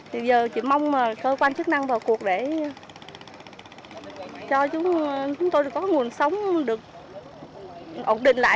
thì giờ chỉ mong cơ quan chức năng vào cuộc để cho chúng tôi được có nguồn sống được ổn định lại